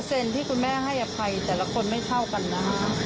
เปอร์เซ็นต์ที่คุณแม่ให้อภัยแต่ละคนไม่เท่ากันนะ